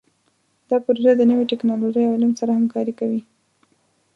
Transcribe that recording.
دا پروژه د نوي ټکنالوژۍ او علم سره همکاري کوي.